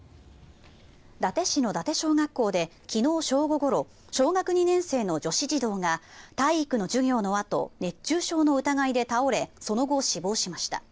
伊達市の伊達小学校で昨日正午ごろ小学２年生の女子児童が体育の授業のあと熱中症の疑いで倒れその後、死亡しました。